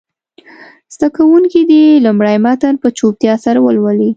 زده کوونکي دې لومړی متن په چوپتیا سره ولولي.